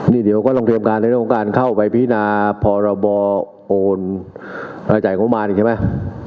นี่เดี๋ยวก็ลองเตรียมการในโครงการเข้าไปพินาพรบโอนอาจ่ายของมหมาตรีใช่ไหม